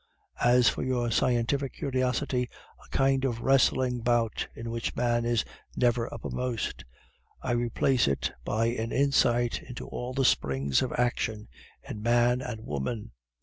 As for your scientific curiosity, a kind of wrestling bout in which man is never uppermost, I replace it by an insight into all the springs of action in man and woman.